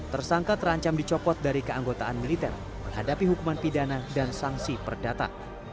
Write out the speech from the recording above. tersangka terancam dicopot dari keanggotaan militer berhadapi hukuman pidana dan sanksi perdata